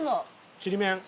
ちりめん。